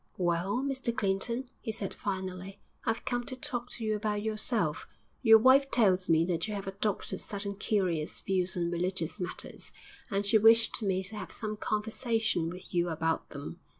'Well, Mr Clinton,' he said finally, 'I've come to talk to you about yourself.... Your wife tells me that you have adopted certain curious views on religious matters; and she wishes me to have some conversation with you about them.'